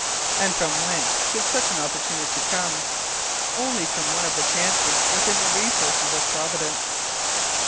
And from whence could such an opportunity come? Only from one of the chances within the resources of Providence.